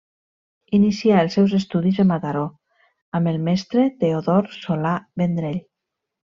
Inicià els seus estudis a Mataró amb el mestre Teodor Solà Vendrell.